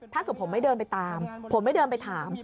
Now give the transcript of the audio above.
ถ้าเกิดผมไม่เดินไปตามผมไม่เดินไปถาม